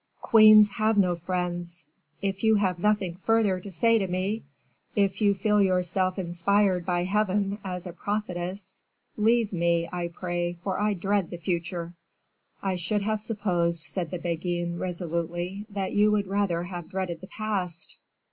"Queens have no friends; if you have nothing further to say to me, if you feel yourself inspired by Heaven as a prophetess leave me, I pray, for I dread the future." "I should have supposed," said the Beguine, resolutely, "that you would rather have dreaded the past."